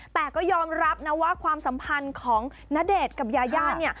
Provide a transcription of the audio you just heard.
แต่ก็ยอมรับนะว่าความสัมพันธ์ของณเดชน์กับยาย่าเนี่ย